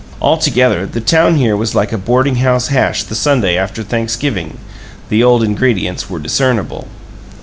Altogether, the town here was like a boarding house hash the Sunday after Thanksgiving; the old ingredients were discernible.